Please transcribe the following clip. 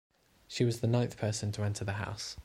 She was the ninth person to enter the house.